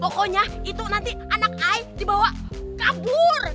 pokoknya itu nanti anak ai dibawa kabur